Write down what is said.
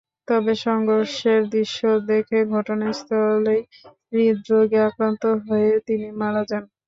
তবে সংঘর্ষের দৃশ্য দেখে ঘটনাস্থলেই হৃদরোগে আক্রান্ত হয়ে তিনি মারা যান।